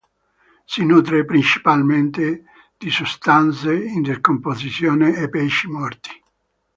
Si nutre principalmente di sostanze in decomposizione e pesci morti.